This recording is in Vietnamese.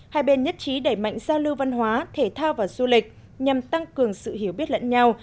một mươi hai hai bên nhất trí đẩy mạnh giao lưu văn hóa thể thao và du lịch nhằm tăng cường sự hiểu biết lẫn nhau